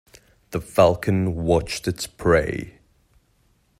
The falcon watched its prey.